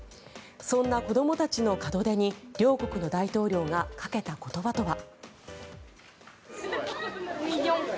そんな子どもたちの門出に両国の大統領がかけた言葉とは。